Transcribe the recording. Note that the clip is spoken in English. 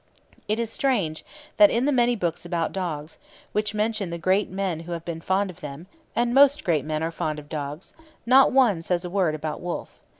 It is strange that in the many books about dogs which mention the great men who have been fond of them and most great men are fond of dogs not one says a word about Wolfe.